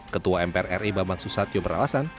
ketua mpr ri bambang susatyo beralasan